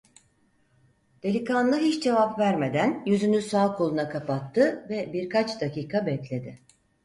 Delikanlı hiç cevap vermeden yüzünü sağ koluna kapattı ve birkaç dakika bekledi.